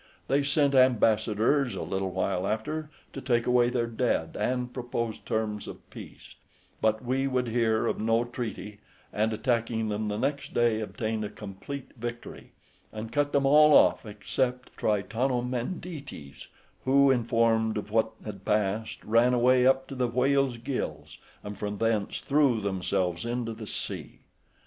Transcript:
They sent ambassadors a little while after to take away their dead, and propose terms of peace; but we would hear of no treaty, and attacking them the next day, obtained a complete victory, and cut them all off, except the Tritonomendetes, who, informed of what had passed, ran away up to the whale's gills, and from thence threw themselves into the sea.